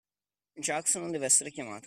Jacques non dev'essere chiamato!